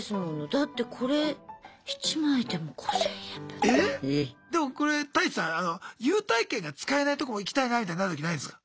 だってこれでもこれタイチさん優待券が使えないとこも行きたいなみたいになるときないですか？